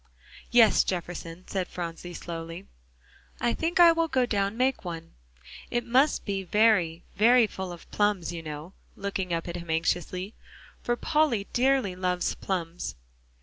"Yes, Jefferson," said Phronsie slowly, "I think I will go down make one. It must be very, very full of plums, you know," looking up at him anxiously, "for Polly dearly loves plums."